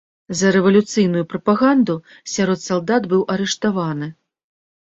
За рэвалюцыйную прапаганду сярод салдат быў арыштаваны.